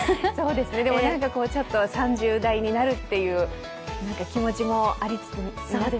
でもなんかちょっと３０代になるという気持ちもありつつ。